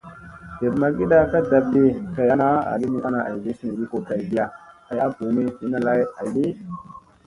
Dep magiiɗa ka ɗab kiɗi kay ana, agi min ana aygi sunuygi ko tay giya kay a ɓuu mi vinna lay aygi.